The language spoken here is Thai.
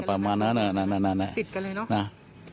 ประมาณ๖นัดติดกันเลยนะติดกันเลยเนอะ